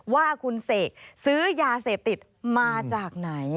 ว่าคุณเสกซื้อยาเสพติดมาจากไหน